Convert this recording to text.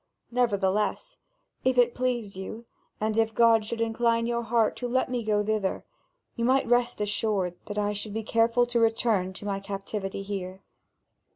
Nevertheless, if it pleased you, and if God should incline your heart to let me go thither, you might rest assured that I should be careful to return to my captivity here."